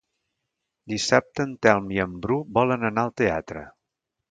Dissabte en Telm i en Bru volen anar al teatre.